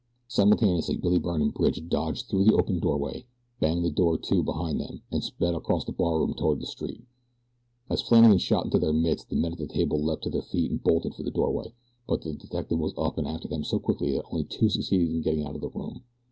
Simultaneously Billy Byrne and Bridge dodged through the open doorway, banged the door to behind them, and sped across the barroom toward the street. As Flannagan shot into their midst the men at the table leaped to their feet and bolted for the doorway; but the detective was up and after them so quickly that only two succeeded in getting out of the room.